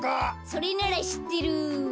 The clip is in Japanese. それならしってる。